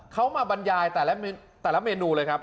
เขามาบรรยายแต่ละเมนูเลยครับ